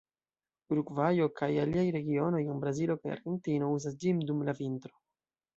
Urugvajo, kaj aliaj regionoj en Brazilo kaj Argentino uzas ĝin dum la vintro.